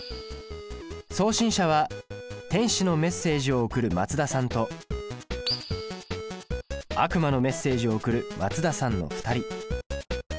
送信者は天使のメッセージを送るマツダさんと悪魔のメッセージを送るマツダさんの２人。